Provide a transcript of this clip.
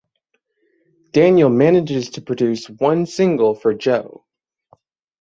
Daniel manages to produce one single for Joe.